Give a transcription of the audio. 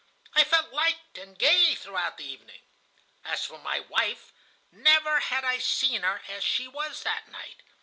I felt light and gay throughout the evening. As for my wife, never had I seen her as she was that night.